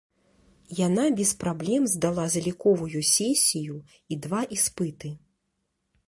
Яна без праблем здала заліковую сесію і два іспыты.